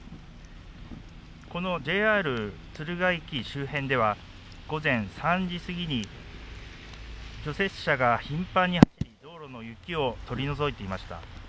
このＪＲ敦賀駅周辺では、午前３時過ぎに除雪車が頻繁に道路の雪を取り除いていました。